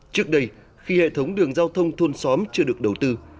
trước đây khi hệ thống đường giao thông thôn xóm chưa được đầu tư